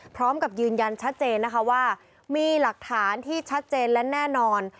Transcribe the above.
พร้อมกับยืนยันชัดเจนนะคะว่ามีหลักฐานที่ชัดเจนและแน่นอน